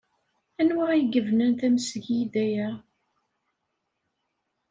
Anwa ay yebnan tamesgida-a?